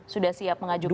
sudah siap mengajukan